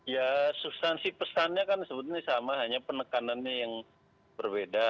ya substansi pesannya kan sebetulnya sama hanya penekanannya yang berbeda